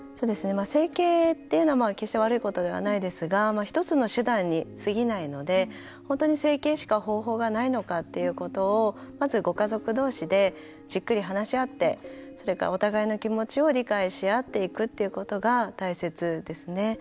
整形っていうのは決して悪いことではないですがひとつの手段に過ぎないので本当に整形しか手段がないのかっていうことをまず、ご家族同士でじっくり話し合ってお互いの気持ちを理解しあっていくっていうことが大切ですね。